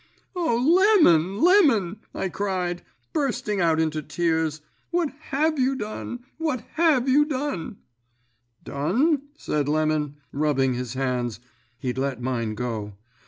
"'O, Lemon, Lemon!' I cried, bursting out into tears; 'what have you done, what have you done?' "'Done?' said Lemon, rubbing his hands; he'd let mine go.